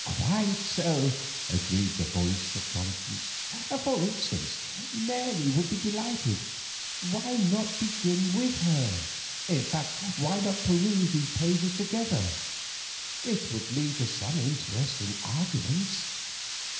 "Quite so," agreed the voice of Conscience. "For instance, Mary would be delighted. Why not begin with her? In fact, why not peruse these pages together—it would lead to some interesting arguments?